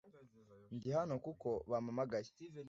Ndi hano kuko bamamagaye.